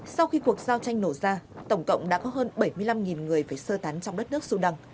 sau khi cuộc giao tranh nổ ra tổng cộng đã có hơn bảy mươi năm người phải sơ tán trong đất nước sudan